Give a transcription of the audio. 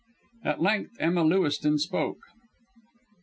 At length Emma Lewiston spoke.